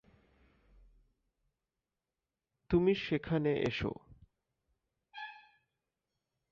তুমি সেখানে এসো।